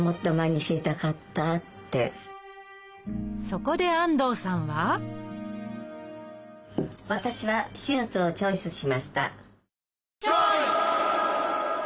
そこで安藤さんは私は「手術」をチョイスしました。